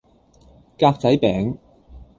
格仔餅